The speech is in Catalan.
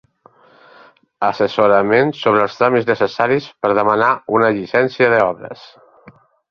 Assessorament sobre els tràmits necessaris per demanar una llicència d'obres.